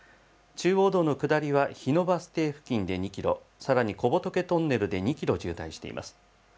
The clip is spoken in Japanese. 中央道の下りは日野バス停付近で２キロ、さらに小仏トンネルで２キロ渋滞しています。